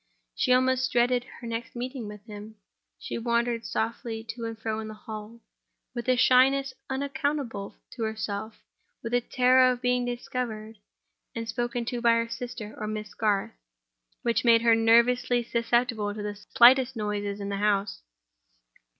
She almost dreaded her next meeting with him. She wandered softly to and fro in the hall, with a shyness unaccountable to herself; with a terror of being discovered and spoken to by her sister or Miss Garth, which made her nervously susceptible to the slightest noises in the house.